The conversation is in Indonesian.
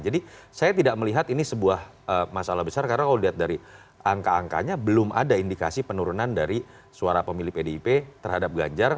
jadi saya tidak melihat ini sebuah masalah besar karena kalau dilihat dari angka angkanya belum ada indikasi penurunan dari suara pemilih pdip terhadap ganjar